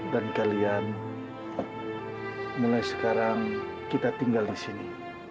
dan kalian mulai sekarang kita tinggal di sini